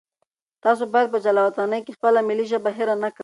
تاسو باید په جلاوطنۍ کې خپله ملي ژبه هېره نه کړئ.